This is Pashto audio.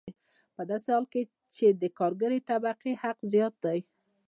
په داسې حال کې چې د کارګرې طبقې حق زیات دی